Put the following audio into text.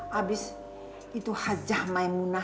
habis itu hajah maimunah